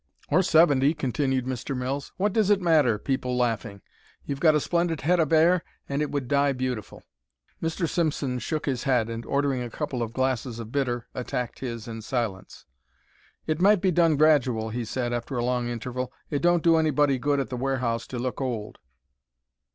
"Or seventy," continued Mr. Mills. "What does it matter, people laughing? You've got a splendid head of 'air, and it would dye beautiful." Mr. Simpson shook his head and, ordering a couple of glasses of bitter, attacked his in silence. "It might be done gradual," he said, after a long interval. "It don't do anybody good at the warehouse to look old."